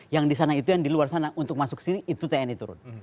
yang di sana itu yang di luar sana untuk masuk ke sini itu tni turun